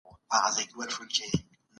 خپل فکر به د ابادۍ په لور بوځئ.